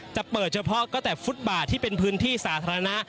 จะเปิดเฉพาะก็แต่ฟุตบาทที่เป็นพื้นที่สาธารณะ